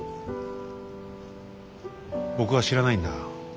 僕は知らないんだ。